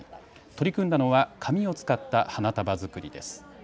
取り組んだのは紙を使った花束作りです。